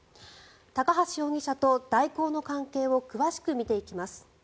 高橋容疑者と大広の関係を詳しく見ていきます。